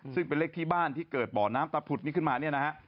ซึ่งเป็นเลขที่บ้านที่เกิดบ่อน้ำตาผุดนี้ขึ้นมาเนี่ยนะฮะ